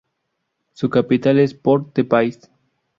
Su capital es Port-de-Paix.